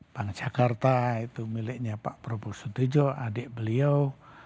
bank jakarta itu miliknya pak prabowo sutejo adik beliau